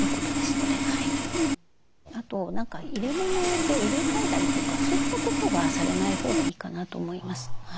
あと何か入れ物を入れ替えたりとかそういったことはされないほうがいいかなと思います。